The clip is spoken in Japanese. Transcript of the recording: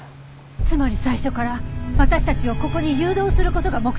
つまり最初から私たちをここに誘導する事が目的だった。